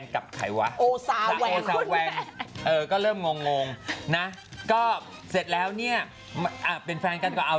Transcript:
กับสาวังเนี่ยเข้ามาเป็นสินเสมอกัน